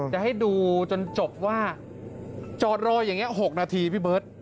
จะให้ดูจนจบว่าจอดรออย่างนี้๖นาทีพี่เบิร์ต